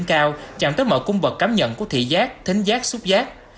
nhiều người đỉnh cao chạm tới mọi cung bậc cảm nhận của thị giác thính giác xúc giác